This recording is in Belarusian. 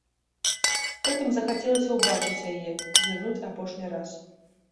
Потым захацелася ўбачыць яе, зірнуць апошні раз.